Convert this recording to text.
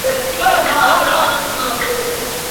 حجامت څه شي دی؟